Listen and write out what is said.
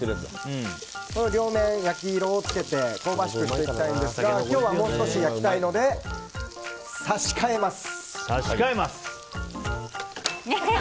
両面、焼き色をつけて香ばしくしていきたいんですが今日はもう少し焼きたいので差し替えます。